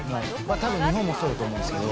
たぶん日本もそうだと思うんですけど。